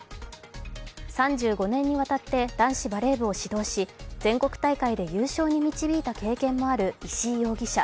３５年にわたって男子バレー部を指導し、全国大会で優勝に導いた経験もある石井容疑者。